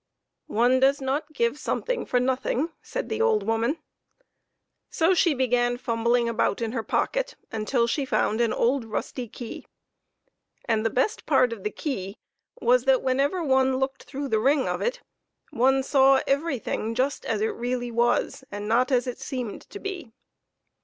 " One does not give something for nothing," said the old woman, so she began fumbling about in her pocket until she found an old rusty key. And the best part of the key was, that whenever one look ed through the ring of it, one saw everything just as it really was and not as it seemed to be.